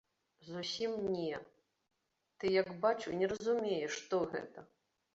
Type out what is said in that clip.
Зусім не, ты, як бачу, не разумееш, што гэта.